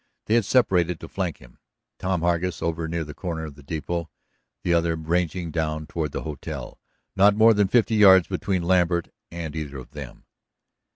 They had separated to flank him, Tom Hargus over near the corner of the depot, the other ranging down toward the hotel, not more than fifty yards between Lambert and either of them.